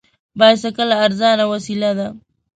بایسکل ارزانه وسیله ده.